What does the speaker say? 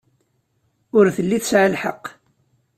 Ur telli tesɛa lḥeqq.